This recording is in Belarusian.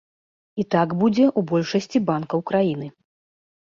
І так будзе ў большасці банкаў краіны.